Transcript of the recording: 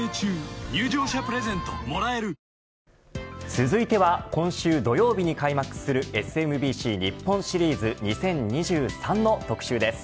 続いては今週土曜日に開幕するＳＭＢＣ日本シリーズ２０２３の特集です。